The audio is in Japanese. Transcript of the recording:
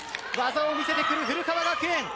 技を見せてくる古川学園。